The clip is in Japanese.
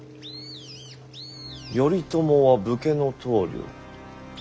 頼朝は武家の棟梁。